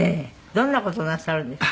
どんな事なさるんですか？